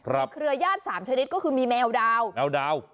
และเครือย่านสามชนิดก็คือมีแมวดาว